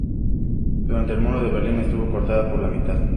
Durante el Muro de Berlín estuvo cortada por la muralla.